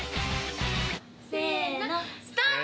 せのスタート！